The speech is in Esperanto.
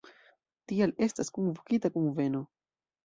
Tial estas kunvokita kunveno.